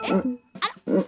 あら？